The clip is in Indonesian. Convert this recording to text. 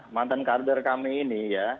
mantan kader kami ini ya